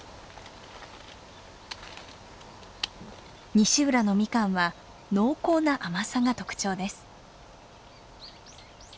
西浦のミカンは濃厚な甘さが特徴です。